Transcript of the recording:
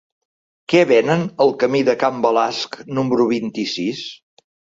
Què venen al camí de Can Balasc número vint-i-sis?